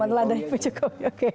meneladani pak jokowi oke